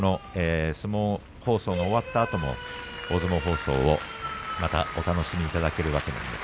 相撲放送が終わったあとも大相撲放送をお楽しみいただけます。